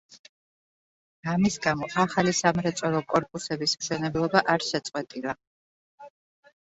ამის გამო ახალი სამრეწველო კორპუსების მშენებლობა არ შეწყვეტილა.